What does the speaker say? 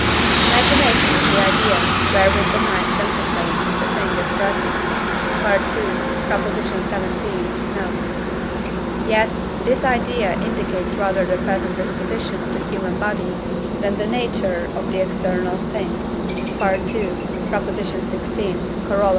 Imagination is the idea wherewith the mind contemplates a thing as present (II. xvii. note); yet this idea indicates rather the present disposition of the human body than the nature of the external thing (II. xvi. Coroll.